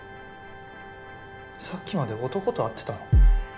さっきまで男と会ってたの？